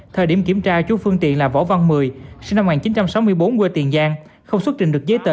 thời điểm kiểm tra chú phương tiện là võ văn mười sinh năm một nghìn chín trăm sáu mươi bốn quê tiền giang không xuất trình được giấy tờ